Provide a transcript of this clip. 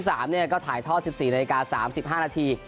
ถ้าถอยท่อ๑๔นาทีการ๓๕นาที